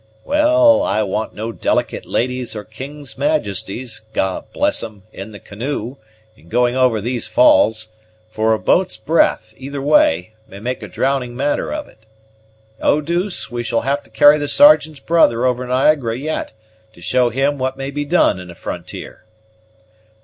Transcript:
"Well, I want no delicate ladies or king's majesties (God bless 'em!) in the canoe, in going over these falls; for a boat's breadth, either way, may make a drowning matter of it. Eau douce, we shall have to carry the Sergeant's brother over Niagara yet, to show him what may be done in a frontier."